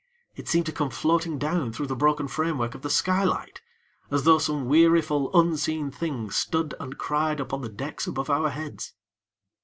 it seemed to come floating down through the broken framework of the skylight as though some weariful, unseen thing stood and cried upon the decks above our heads.